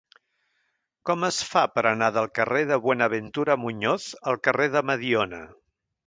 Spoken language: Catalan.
Com es fa per anar del carrer de Buenaventura Muñoz al carrer de Mediona?